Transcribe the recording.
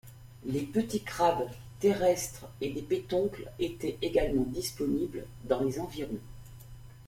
De petits crabes terrestres et des pétoncles étaient également disponibles dans les environs.